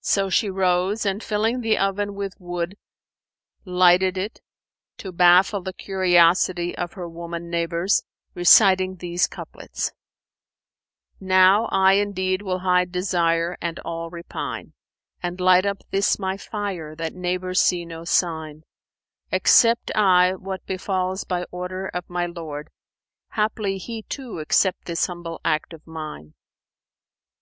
So she rose and, filling the oven with wood, lighted it, to baffle the curiosity of her woman neighbours, reciting these couplets, "Now I indeed will hide desire and all repine; * And light up this my fire that neighbours see no sign: Accept I what befals by order of my Lord; * Haply He too accept this humble act of mine."